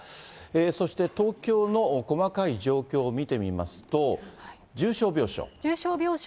そして東京の細かい状況を見てみますと、重症病床。